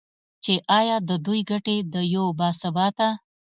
چې ایا د دوی ګټې د یو با ثباته